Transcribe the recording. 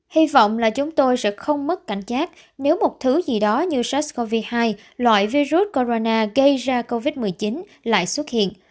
hy vọng là chúng tôi sẽ không mất cảnh giác nếu một thứ gì đó như sars cov hai loại virus corona gây ra covid một mươi chín lại xuất hiện